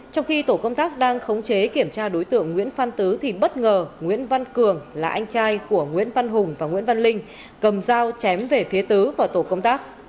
trong khi tổ công tác đang khống chế kiểm tra đối tượng nguyễn phan tứ thì bất ngờ nguyễn văn cường là anh trai của nguyễn văn hùng và nguyễn văn linh cầm dao chém về phía tứ vào tổ công tác